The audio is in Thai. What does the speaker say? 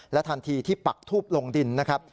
ทันทีที่ปักทูบลงดินนะครับ